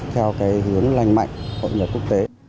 theo cái hướng lành mạnh của nhật quốc tế